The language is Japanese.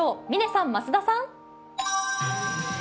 嶺さん、増田さん。